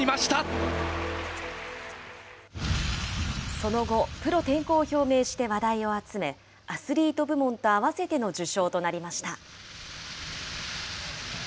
その後、プロ転向を表明して話題を集め、アスリート部門と併せての受賞となりました。